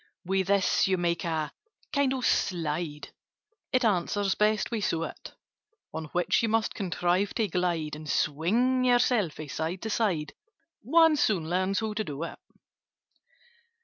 "With this you make a kind of slide (It answers best with suet), On which you must contrive to glide, And swing yourself from side to side— One soon learns how to do it.